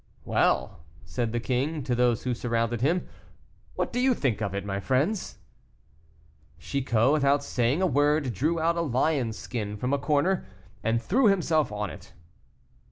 "Well!" said the king, to those who surrounded him, "what do you think of it, my friends?" Chicot, without saying a word, drew out a lion's skin from a corner, and threw himself on it.